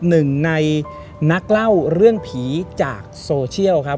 หนึ่งในนักเล่าเรื่องผีจากโซเชียลครับ